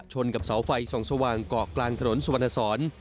ชนกับเสาไฟสองสวางกกลางถนนสวรรค์